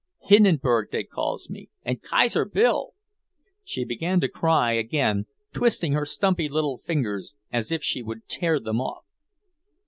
Hindenburg, dey calls me, and Kaiser Bill!" She began to cry again, twisting her stumpy little fingers as if she would tear them off.